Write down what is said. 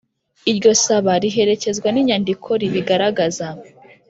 iryo saba riherekezwa n'inyandiko rib'ibigaragaza